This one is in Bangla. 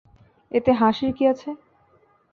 এতে হাসির কি আছে?